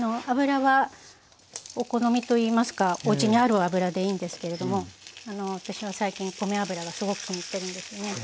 油はお好みといいますかおうちにある油でいいんですけれども私は最近米油がすごく気に入ってるんですね。